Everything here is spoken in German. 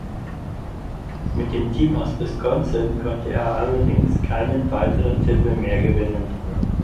Mit dem Team aus Wisconsin konnte er allerdings keinen weiteren Titel mehr gewinnen.